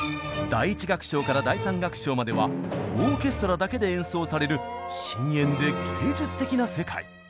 第１楽章から第３楽章まではオーケストラだけで演奏される深遠で芸術的な世界。